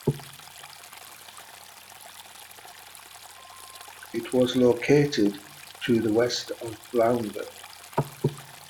It was located to the west of Brownville.